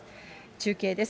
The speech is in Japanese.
中継です。